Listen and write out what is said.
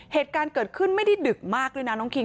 เหตุการณ์เกิดขึ้นไม่ได้ดึกมากด้วยนะน้องคิง